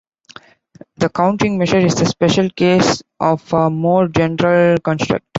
The counting measure is a special case of a more general construct.